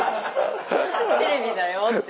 「テレビだよ」って。